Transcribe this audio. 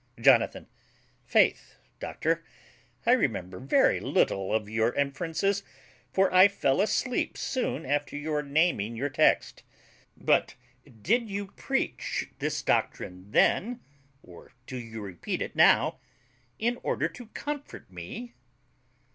JONATHAN. Faith, doctor, I remember very little of your inferences; for I fell asleep soon after your naming your text. But did you preach this doctrine then, or do you repeat it now in order to comfort me?